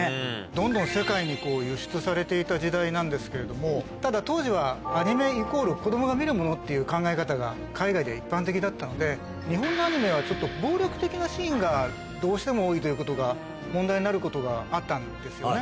どんどん世界に輸出されていた時代なんですけれども、ただ当時はアニメイコール子どもが見るものっていう考え方が海外では一般的だったので、日本のアニメはちょっと暴力的なシーンがどうしても多いということが問題になることがあったんですよね。